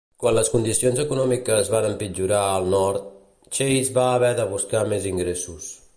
Quan les condicions econòmiques van empitjorar al nord, Chase va haver de buscar més ingressos.